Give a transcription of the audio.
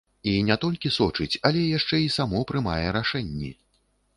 І не толькі сочыць, але яшчэ і само прымае рашэнні.